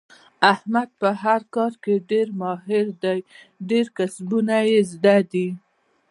احمد په هر کار کې ډېر ماهر دی. ډېر کسبونه یې زده دي.